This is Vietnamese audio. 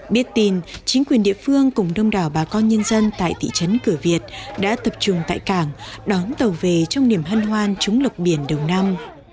biết tin chính quyền địa phương cùng đông đảo bà con nhân dân tại thị trấn cửa việt đã tập trung tại cảng đón tàu về trong niềm hân hoan chống lục biển đầu năm